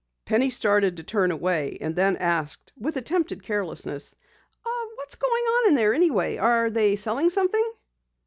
Penny started to turn away, and then asked with attempted carelessness: "What's going on in there anyway? Are they selling something?"